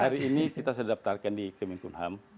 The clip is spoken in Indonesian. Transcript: hari ini kita sudah dapet di kementerian kesehatan dan pengelolaan